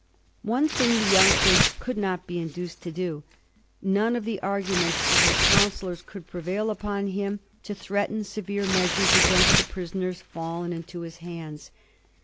One thing the young prince cOuld not be induced to do: none of the arguments of his council lors could prevail upon him to threaten severe measures against the prisoners fallen into his hands.